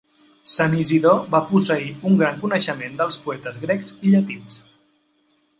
Sant Isidor va posseir un gran coneixement dels poetes grecs i llatins.